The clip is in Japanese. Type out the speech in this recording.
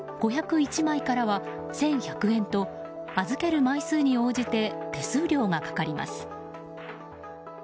５０１枚からは１１００円と預ける枚数に応じて手数料がかかります。